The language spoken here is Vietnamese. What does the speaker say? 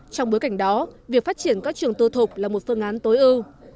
trong bối cảnh đó việc phát triển các trường tư thục là một phương án tối ưu